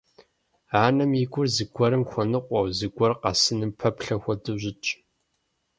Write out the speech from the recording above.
Анэм и гур зыгуэрым хуэныкъуэу, зыгуэр къэсыным пэплъэ хуэдэу щытщ.